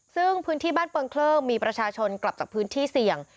ซึ่งพื้นที่บ้านเปิงเคลิ่งมีประชาชนกลับจากพื้นที่เสี่ยง